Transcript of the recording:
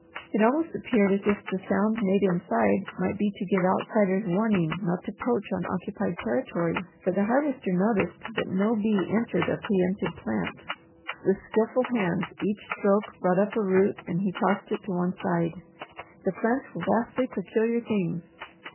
It almost appeared as if the sound made inside might be to give outsiders warning not to poach on occupied territory, for the Harvester noticed that no bee entered a pre empted plant. With skilful hand each stroke brought up a root and he tossed it to one side. The plants were vastly peculiar things.